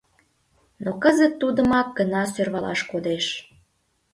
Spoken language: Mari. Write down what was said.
Но кызыт тудымак гына сӧрвалаш кодеш.